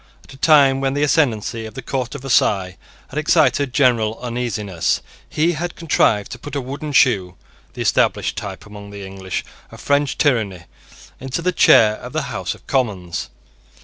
At a time when the ascendancy of the court of Versailles had excited general uneasiness, he had contrived to put a wooden shoe, the established type, among the English, of French tyranny, into the chair of the House of Commons.